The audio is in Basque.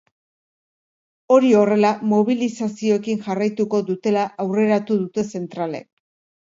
Hori horrela, mobilizazioekin jarraituko dutela aurreratu dute zentralek.